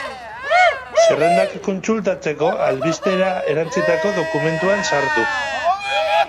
Zerrendak kontsultatzeko, albistera erantsitako dokumentuan sartu.